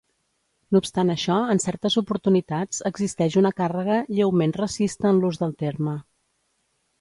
No obstant això en certes oportunitats existeix una càrrega lleument racista en l'ús del terme.